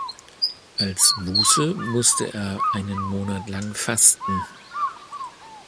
Als Buße musste er einen Monat lang fasten.